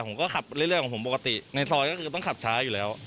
ผมก็ขับเรื่อยของผมปกติในซอยก็คือต้องขับช้าอยู่แล้ว